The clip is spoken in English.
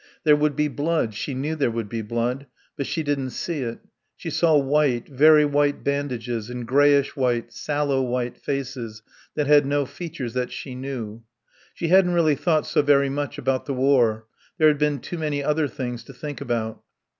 There would be blood; she knew there would be blood; but she didn't see it; she saw white, very white bandages, and greyish white, sallow white faces that had no features that she knew. She hadn't really thought so very much about the war; there had been too many other things to think about.